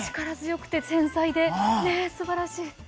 力強くて繊細ですばらしい。